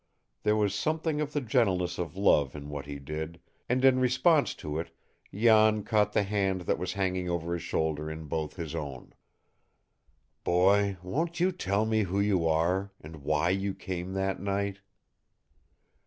There was something of the gentleness of love in what he did, and in response to it Jan caught the hand that was hanging over his shoulder in both his own. "Boy, won't you tell me who you are, and why you came that night?"